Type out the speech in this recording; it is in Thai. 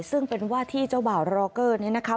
ซึ่งเป็นว่าที่เจ้าบ่าวรอเกอร์นี้นะคะ